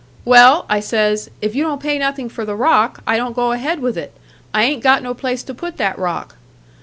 'Well,' I says, 'if you don't pay nothing for the rock, I don't go ahead with it. I ain't got no place to put that rock.'